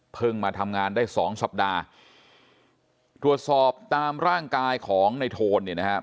มาทำงานได้สองสัปดาห์ตรวจสอบตามร่างกายของในโทนเนี่ยนะครับ